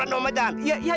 ini udah bener bos